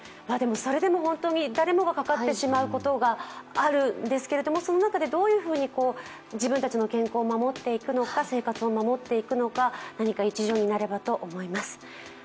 それでも本当に誰もがかかってしまうことがあるんですけど、その中でどういうふうに自分たちの健康を守っていくのか生活を守っていくのか、何か一助になればと思います。